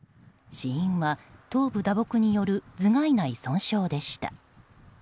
死因は頭部打撲による頭蓋内損傷でした。